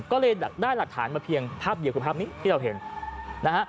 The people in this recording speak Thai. ก็เลยได้หลักฐานมาเพียงภาพเดียวคือภาพนี้ที่เราเห็นนะฮะ